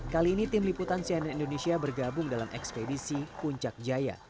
kali ini tim liputan cnn indonesia bergabung dalam ekspedisi puncak jaya